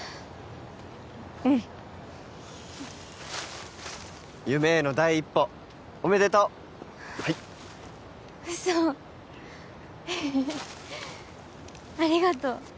うん夢への第一歩おめでとうはいウソえっありがとう